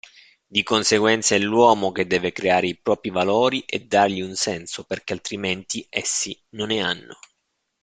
Di conseguenza è l'uomo che deve creare i propri valori e dargli un senso perché altrimenti essi non ne hanno.